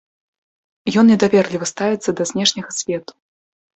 Ён недаверліва ставіцца да знешняга свету.